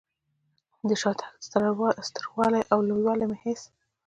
د شاتګ ستر والی او لوی والی مې هېڅ.